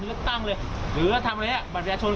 เรียกตั้งเลยหรือว่าทำอะไรนะบัตรแรงชน